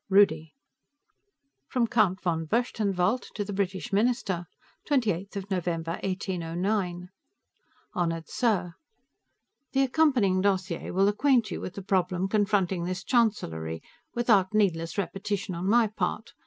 Rudi. (From Count von Berchtenwald, to the British Minister.) 28 November, 1809 Honored Sir: The accompanying dossier will acquaint you with the problem confronting this Chancellery, without needless repetition on my part.